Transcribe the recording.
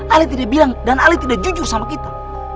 ali tidak bilang dan ali tidak jujur sama kita